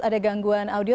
ada gangguan audio